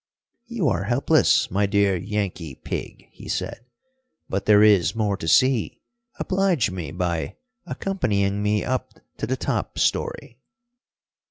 "You are helpless, my dear Yankee pig," he said. "But there is more to see. Oblige me by accompanying me up to the top story."